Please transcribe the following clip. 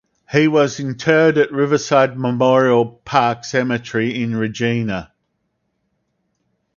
He was interred at Riverside Memorial Park Cemetery in Regina.